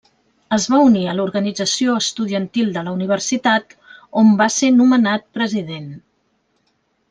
Es va unir a l'Organització Estudiantil de la universitat, on va ser nomenat president.